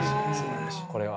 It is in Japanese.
これは。